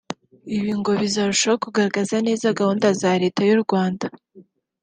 ibi ngo bizarushaho kugaragaza neza gahunda za Leta y’u Rwanda